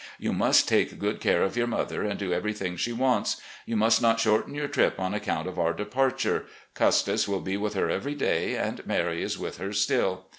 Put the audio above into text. You must take good care of your mother and do ever3rthing she wants. You must not shorten your trip on account of our departure. Custis will be with her every day, and Mary is with her still.